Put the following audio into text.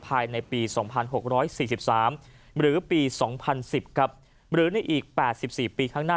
ภายในปี๒๖๔๓หรือปี๒๐๑๐ครับหรือในอีก๘๔ปีข้างหน้า